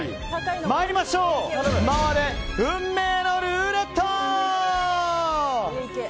参りましょう回れ、運命のルーレット！